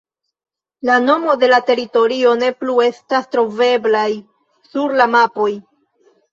La nomo de la teritorio ne plu estas troveblaj sur la mapoj.